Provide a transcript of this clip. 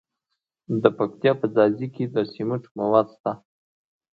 د پکتیا په ځاځي کې د سمنټو مواد شته.